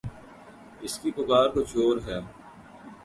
اس کی پکار کچھ اور ہے۔